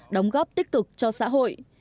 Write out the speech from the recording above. đóng góp tích cực cho xã hội